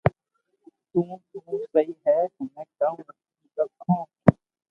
تو تو سھي ھي ھمي ڪاو ر ھگو